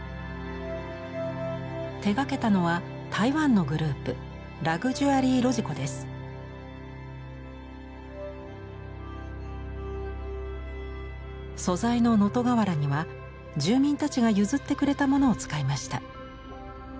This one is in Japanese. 手がけたのは台湾のグループ素材の能登瓦には住民たちが譲ってくれたものを使いました。